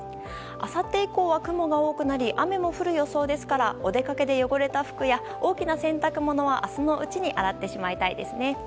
あさって以降は雲が多くなり雨も降る予想ですからお出かけで汚れた服や大きな洗濯物は明日のうちに洗ってしまいたいですね。